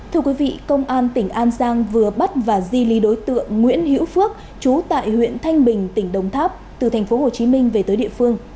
thưa quý vị công an tỉnh an giang vừa bắt và di lý đối tượng nguyễn hiễu phước chú tại huyện thanh bình tỉnh đồng tháp từ tp hcm về tới địa phương